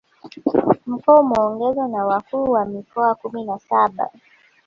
Mkoa umeongozwa na Wakuu wa Mikoa kumi na saba